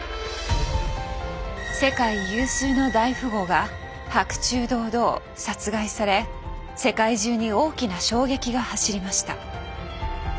世界有数の大富豪が白昼堂々殺害され世界中に大きな衝撃が走りました。